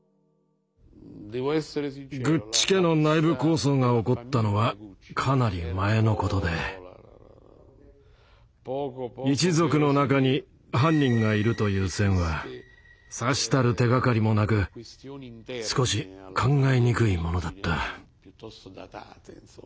グッチ家の内部抗争が起こったのはかなり前のことで一族の中に犯人がいるという線はさしたる手がかりもなく少し考えにくいものだった。